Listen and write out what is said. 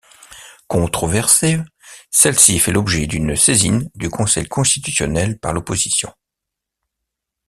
Controversée, celle-ci fait l'objet d'une saisine du Conseil constitutionnel par l'opposition.